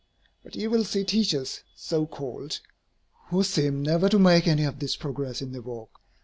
But you will see teachers, so called, who seem never to make any of this progress in their work.